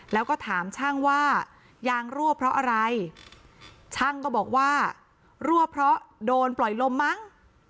แล้วก็ถามช่างว่ายางรั่วเพราะอะไรช่างก็บอกว่ารั่วเพราะโดนปล่อยลมมั้ง